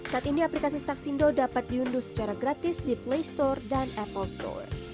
saat ini aplikasi staksindo dapat diunduh secara gratis di play store dan apple store